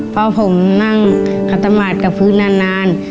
พอผมนั่งขาตะหมาดกับพื้นนาน